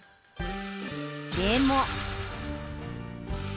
でも。